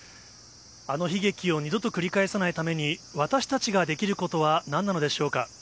あの悲劇を二度と繰り返さないために、私たちができることは何なのでしょうか。